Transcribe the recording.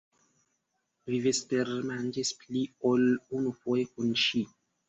Vi vespermanĝis pli ol unufoje kun ŝi.